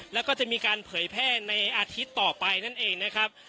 แล้วก็จะมีการเผยแพร่ในอาทิตย์ต่อไปนั่นเองนะครับ